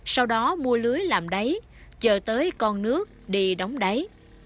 sau đó mua lưới làm đáy chờ tới con nước đi đóng đáy